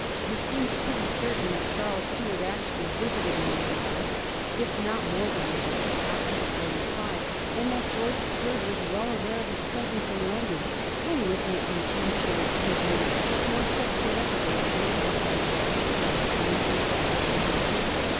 It seems pretty certain that Charles Stuart actually visited England once, if not more than once, after the Forty five, and that George the Third was well aware of his presence in London, and, with a contemptuous good nat 234 A HISTORY OF THE FOUR GEORGES. ch.zxxyl ure, took no steps whatever to lay hands upon the rival who was dangerous no longer.